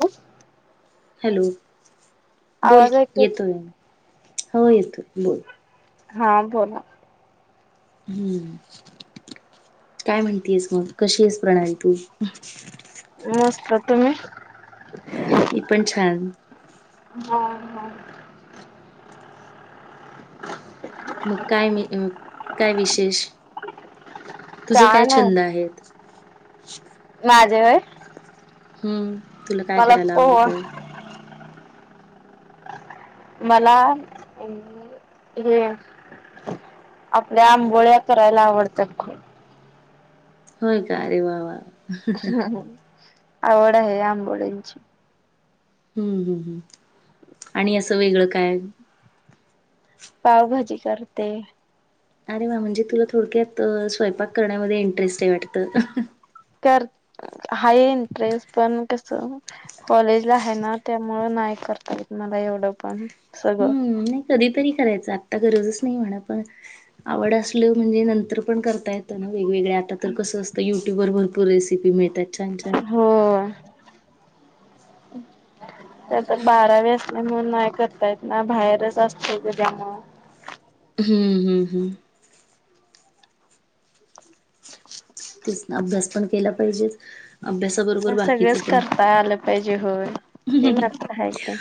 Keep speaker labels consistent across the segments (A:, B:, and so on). A: हो
B: हलो बोल की
A: ऐकत
B: येतो म हो येतो बोल
A: हा बोला?
B: हम्म काय म्हणतीयस मग कशी आहेस प्रणाली तू.
A: मस्त तुम्ही
B: मी पण छान.
A: हां हां. ह [unintelligible]
B: मग काय मी अ काय विशेष? तुझे काय छंद आहेत?
A: आ जय.
B: हम्म. तुला काय करायला आवडतं?
A: मला हे आपल्या आंबोळ्या करायला आवडतात खूप.
B: होय का अरे वा वा वा.
A: हां हम्. आवड आहे आंबोळींची.
B: हम्म हम् आणि असं वेगळं काय?
A: पावभाजी करते.
B: अरे वा म्हणजे तुला थोडक्यात स्वयपाक करण्यामध्ये इंटरेस्ट आहे वाटतं.
A: कर हाय इंटरेस्ट पण कस कॉलेजला है ना त्यामुळं नाही करता येत मला एवढं पण सगळं
B: हम्म नही कधीतरी करायचा. ता गरजच नाही म्हणां पण. आवड असल म्हणजे नंतर पण करता येतं ना वेगवेगळे आता तर कसं असतं युट्यूबर भरपूर रेसिपी मिळतात छान छान.
A: हो त्यात बारावी असल्यामुळं नाही करता येत ना बाहेरच असत त्या मुळ
B: हम्म, हम्म, हम्म. तेच ना अभ्यास पण केला पाहिजेच. अभ्यासाबरोबर बाकीचं
A: सगळंच
B: पण
A: करता आलं पाहिजे होय ते मात्र हाय कि.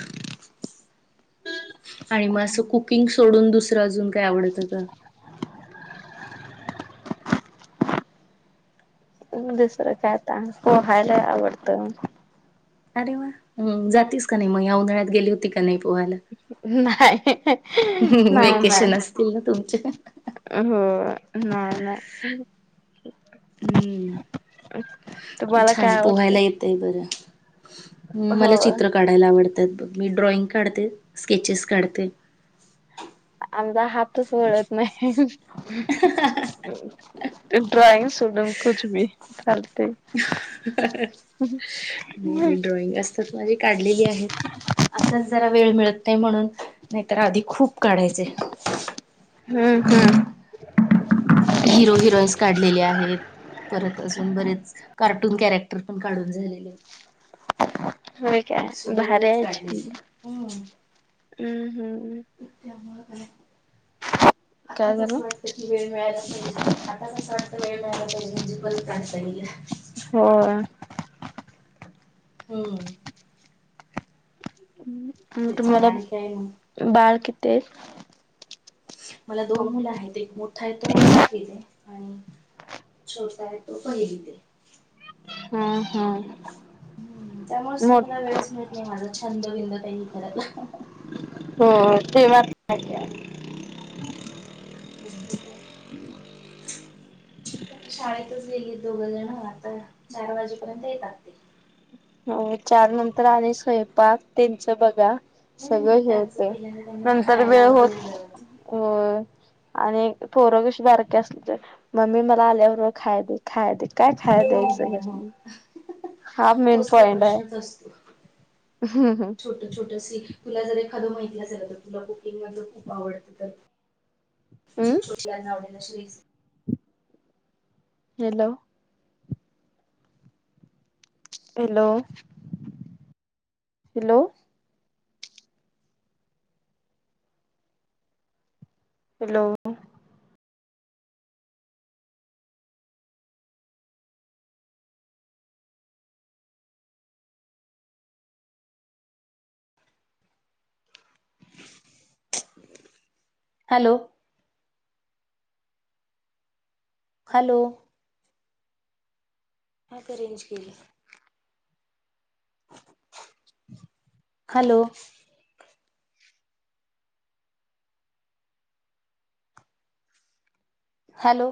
B: आणि मग असं कुकिंग सोडून दुस सर अजून. काय आवडत का?
A: [unintelligible] दुसरं काय आता पोहायला आवडत.
B: अरे वा, जातीस का नाही म या उन्हाळ्यात गेली होती का नाही?
A: नाय. हे, हे.
B: हम् वेकेशल असतील ना तुमचे?
A: नाय नाय.
B: हम्म पण
A: तुम्हाला
B: छान
A: काय आवडतं?
B: पोहायला येतय बरं. हम
A: हो
B: मला चित्र काढायला आवडतात बघ. मी ड्रॉइंग काढते स्केचेस काढते
A: आमचा हातच वळत नाही ते ड्रॉईंग सुडून कुछ भी करते
B: मी ड्रॉइंग असतात माझी काढलेली ते म्हणून नाहीतर आधी खूप काढायचे
A: ह
B: हिरो हिरोईन्स काढलेले आहेत परत अजून बरेच कार्टून कॅरेक्टर पण काढून झालेले आहेत
A: हो
B: असे
A: काय
B: बरेच
A: भारच हम्
B: काढलेले हम्म
A: हम्म
B: आणि
A: काय
B: आताच
A: झालं?
B: असं वाटतं की वेळ मिळायला पाहिजे आताच असं वाटत वेळ मिळायला पाहिजे म्हणजे ब
A: हो
B: हम्म
A: त
B: तेच की
A: मला
B: आणि काय मग
A: बाळ किती ते
B: मला दोन मुलं आहेत एक मोठा आहे तो सातवीला आणि छोटसा आहे तो पहिली ते
A: हम्म हम्म
B: हम् त्यामुळेच तर मला वेळच मिळत नाही माझा छंद बिंदू काही ह ते
A: हो ते वा
B: शाळेतच गेली दोघ जण आता चार वाजेपर्यंत येतात ते
A: हो चार नंतर आणि स्वयंपाक त्यांचं बघा सगळं
B: हम्म
A: हे
B: त्यांचं
A: होते
B: त्यांना
A: नंतर
B: खायला
A: वेळ होत
B: द्यावा लागतो
A: अ आणि पोरं कशी बारकी असली ते मम्मी मला आल्यावर खाय खाय का ख ते
B: हो हो
A: एकस
B: हो तोच तर प्रश्नच असतो
A: हम्म
B: छोट छोट्या तुला जर एखादं माहितलं असेल तर तुला कुकिंग मधे खूप आवडत तर अशी छोटनाव [unintelligible]
A: hello hello hello hello
B: hello hello हता रेंज गेली हॅलो हॅलो